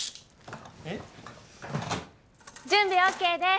えっ？準備ＯＫです。